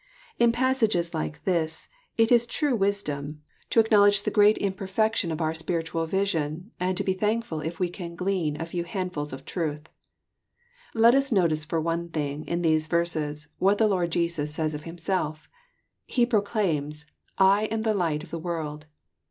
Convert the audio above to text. In pas sages like this it is true wisdom to acknowledge the great JOHN, CHAP. vni. 75 imperfection of our spiritual vision, and to be thankful if we can glean a few handfuls of truth. Let us notice, for one thing, in these verses, what the Lord Jesus says of Hirriself. He proclaims, "I am the light of the world.